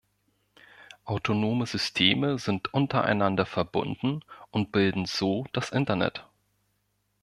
Autonome Systeme sind untereinander verbunden und bilden so das Internet.